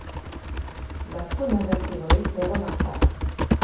La faune invertébrée est remarquable.